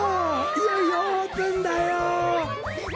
いよいよオープンだよ！